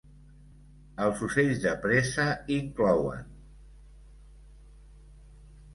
Els ocells de presa inclouen: